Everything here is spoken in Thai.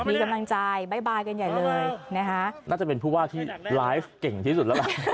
มีกำลังใจบ๊ายบายกันใหญ่เลยนะคะน่าจะเป็นผู้ว่าที่ไลฟ์เก่งที่สุดแล้วล่ะ